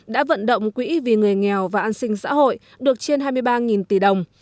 đã vận động quỹ vì người nghèo và an sinh xã hội được trên hai mươi ba tỷ đồng